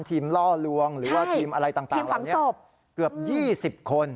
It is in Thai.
ทีมล่อลวงหรือว่าทีมอะไรต่างเกือบ๒๐คน